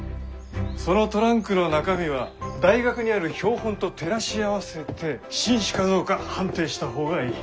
そのトランクの中身は大学にある標本と照らし合わせて新種かどうか判定した方がいい。